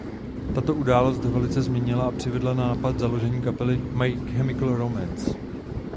Tato událost ho velice změnila a přivedla na nápad založení kapely My Chemical Romance.